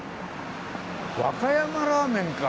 和歌山ラーメンか。